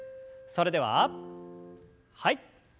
それでははい。